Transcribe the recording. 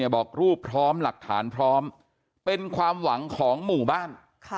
บอกรูปพร้อมหลักฐานพร้อมเป็นความหวังของหมู่บ้าน